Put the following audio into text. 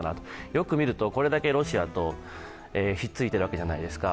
よく見ると、これだけロシアとひっついてるわけじゃないですか。